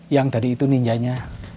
yang tadi itu ninjanya